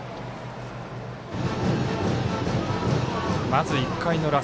まず１回の裏。